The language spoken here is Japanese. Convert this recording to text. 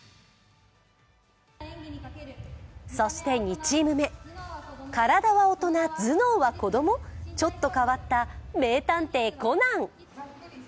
そして、２チーム目体は大人、頭脳は子供ちょっと変わった名探偵コナン。